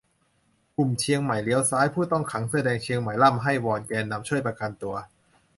กลุ่มเชียงใหม่เลี้ยวซ้าย : ผู้ต้องขังเสื้อแดงเชียงใหม่ร่ำไห้วอนแกนนำช่วยประกันตัว